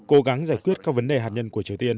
cố gắng giải quyết các vấn đề hạt nhân của triều tiên